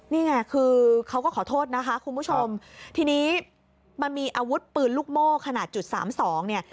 นี่ไงคือเขาก็ขอโทษนะคะคุณผู้ชมทีนี้มันมีอาวุธปืนลูกโม่ขนาดจุดสามสองเนี่ย